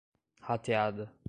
rateada